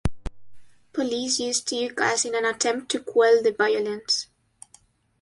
Police used tear gas in an attempt to quell the violence.